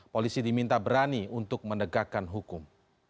polisi diminta berani untuk menegakkan hukum